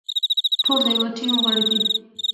ټول د يوه ټيم غړي دي.